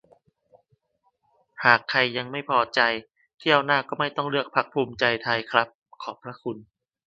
"หากใครยังไม่พอใจ เที่ยวหน้าก็ไม่ต้องเลือกพรรคภูมิใจไทยครับ ขอบพระคุณ"